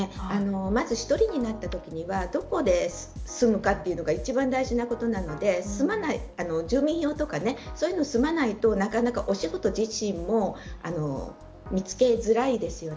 まず１人になったときにはどこに住むかというのが一番大事なことなので住民票とかそういうのを済まないとなかなかお仕事自身も見つけづらいですよね。